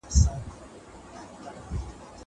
هغه څوک چي کتابتون پاکوي روغ اوسي!